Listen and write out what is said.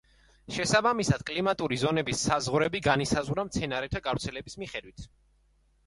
შესაბამისად, კლიმატური ზონების საზღვრები განისაზღვრა მცენარეთა გავრცელების მიხედვით.